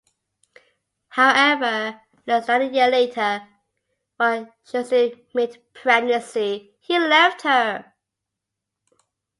However, less than a year later, while she was in mid-pregnancy, he left her.